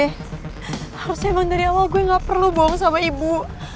harusnya emang dari awal gue gak perlu bohong sama ibu